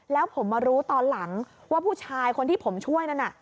แล้วผมมารู้ตอนหลังว่าผู้ชายคนที่ผมช่วยนั่นน่ะ